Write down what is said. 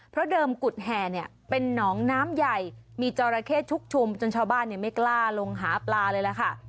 เพราะเดิมกุฎแห่เนี่ยเป็นหนองน้ำใหญ่มีจอราเข้ชุกชุมจนชาวบ้านไม่กล้าลงหาปลาเลยล่ะค่ะ